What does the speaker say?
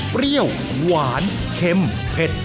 เปรี้ยวหวานเค็มเผ็ด